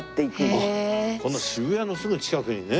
こんな渋谷のすぐ近くにね。